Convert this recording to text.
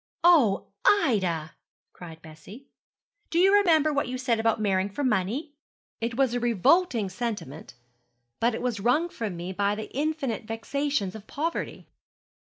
'Oh, Ida,' cried Bessie; 'do you remember what you said about marrying for money?' 'It was a revolting sentiment; but it was wrung from me by the infinite vexations of poverty.'